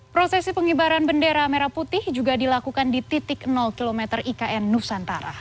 prosesi pengibaran bendera merah putih juga dilakukan di titik km ikn nusantara